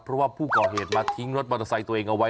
เพราะว่าผู้ก่อเหตุมาทิ้งรถมอเตอร์ไซค์ตัวเองเอาไว้